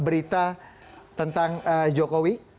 berita tentang jokowi